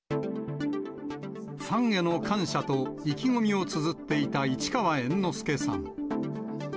ファンへの感謝と意気込みをつづっていた市川猿之助さん。